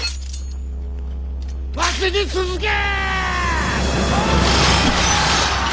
わしに続け！